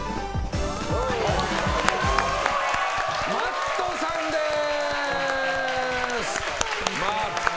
Ｍａｔｔさんです！